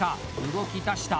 動きだした！